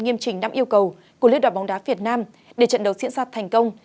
nghiêm trình năm yêu cầu của liên đoàn bóng đá việt nam để trận đấu diễn ra thành công